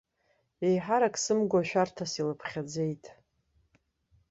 Еиҳарак сымгәа шәарҭас илыԥхьаӡеит.